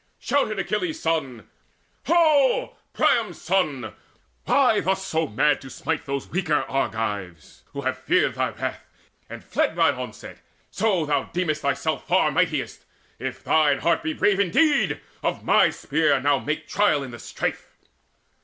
Shouted Achilles' son: "Ho, Priam's son, why thus so mad to smite Those weaker Argives, who have feared thy wrath And fled thine onset? So thou deem'st thyself Far mightiest! If thine heart be brave indeed, Of my spear now make trial in the strife."